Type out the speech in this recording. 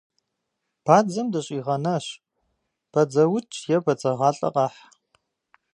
Бадзэм дыщӏигъэнащ, бадзэукӏ е бадзэгъалӏэ къэхь.